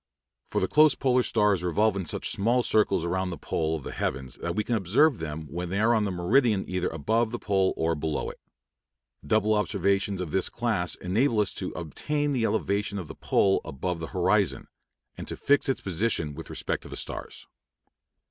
For the close polar stars revolve in such small circles around the pole of the heavens that we can observe them when they are on the meridian either above the pole or below it. Double observations of this class enable us to obtain the elevation of the pole above the horizon, and to fix its position with respect to the stars.